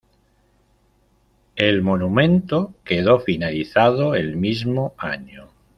El monumento quedó finalizado el mismo año.